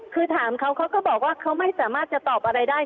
คือถามเขาเขาก็บอกว่าเขาไม่สามารถจะตอบอะไรได้